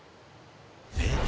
えっ？